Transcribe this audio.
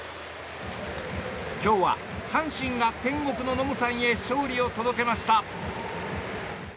今日は阪神が天国のノムさんへ勝利を届けました。